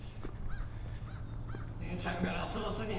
姉ちゃんがラスボスに！